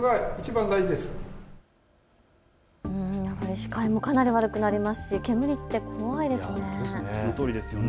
視界もかなり悪くなりますし煙って怖いですよね。